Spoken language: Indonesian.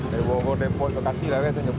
dari bawa bawa depo lokasi lah ya